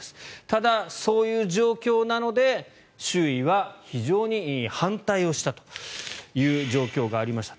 ただ、そういう状況なので周囲は非常に反対をしたという状況がありました。